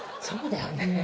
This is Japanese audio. そうだよね。